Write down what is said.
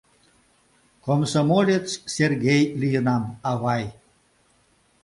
— Комсомолец Сергей лийынам, авай!